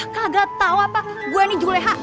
kagak tau apa gue nih juleha